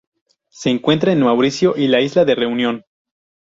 Se encuentra en Mauricio y la isla de Reunión.